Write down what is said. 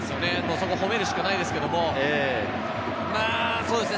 そこを褒めるしかないですけど、そうですね。